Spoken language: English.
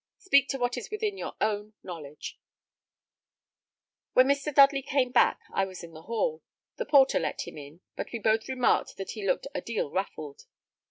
Speak to what is within your own knowledge." "When Mr. Dudley came back, I was in the hall. The porter let him in, but we both remarked that he looked a deal ruffled.